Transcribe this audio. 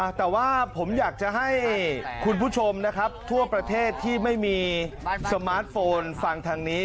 แต่ว่าผมอยากจะให้คุณผู้ชมนะครับทั่วประเทศที่ไม่มีสมาร์ทโฟนฟังทางนี้